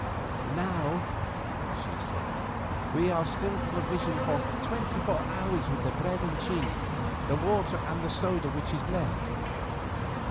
"Now," she said, "we are still provisioned for twenty four hours with the bread and cheese, the water and the soda which is left."